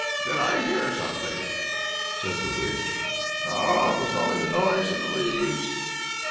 "Did I hear something?" said the witch. "No it was only the noise of the leaves."